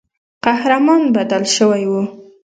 قهرمان بدل سوی وو.